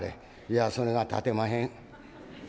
「いやそれが立てまへん」。